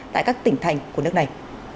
tại các tỉnh thành của nước này